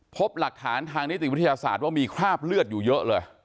พบหลักฐานทางนิติวิทยาศาสตร์ว่ามีคราบเลือดอยู่เยอะเลย